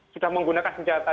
sudah menggunakan senjata